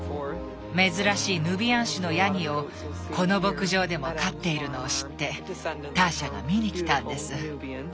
珍しいヌビアン種のヤギをこの牧場でも飼っているのを知ってターシャが見に来たんです。